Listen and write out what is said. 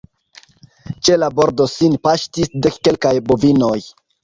Ĉe la bordo sin paŝtis dekkelkaj bovinoj.